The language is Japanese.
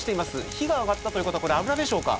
火が上がったということは油でしょうか